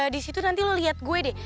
di situ nanti lo lihat gue deh